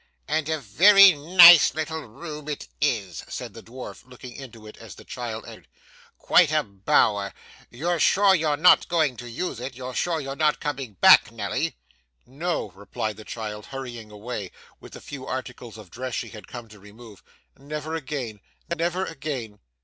'And a very nice little room it is!' said the dwarf looking into it as the child entered. 'Quite a bower! You're sure you're not going to use it; you're sure you're not coming back, Nelly?' 'No,' replied the child, hurrying away, with the few articles of dress she had come to remove; 'never again! Never again.